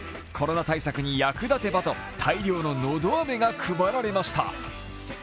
コロナ対策に役立てばと、大量ののどあめが配られました。